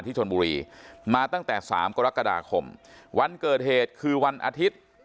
ชนบุรีมาตั้งแต่สามกรกฎาคมวันเกิดเหตุคือวันอาทิตย์